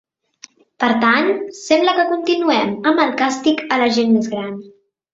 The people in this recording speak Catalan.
Per tant, sembla que continuem amb el càstig a la gent més gran.